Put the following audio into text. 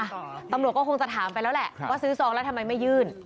ตำรวจก็คงจะถามไปแล้วแหละว่าซื้อซองแล้วทำไมไม่ยื่น